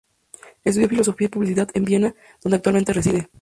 Estudió filosofía y publicidad en Viena, donde actualmente reside.